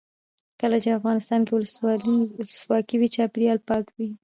کله چې افغانستان کې ولسواکي وي چاپیریال پاک وي.